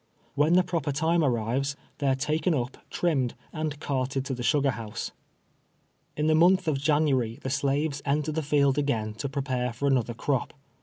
"When the proper time arrives, they are taken up, trimmed and carted to the sugar house. In the month of January the slaves enter the field again to prepare for another crop.